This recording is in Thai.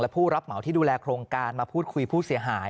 ผู้รับเหมาที่ดูแลโครงการมาพูดคุยผู้เสียหาย